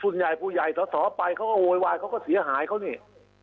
ท่านผู้ใหญ่เซาทรอไปก็โหยวายเสียหายเขาเนี่ย